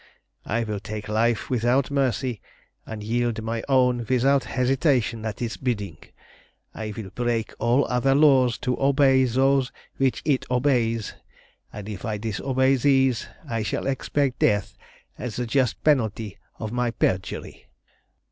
I will take life without mercy, and yield my own without hesitation at its bidding. I will break all other laws to obey those which it obeys, and if I disobey these I shall expect death as the just penalty of my perjury.